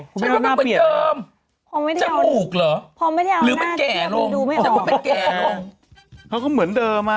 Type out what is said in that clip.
คุณไม่รู้หน้าเปลี่ยนอะไรคุณไม่รู้หน้าเปลี่ยนอะไรใช่หรือเป็นเหมือนเดิม